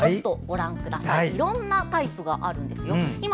いろんなタイプがあるんです。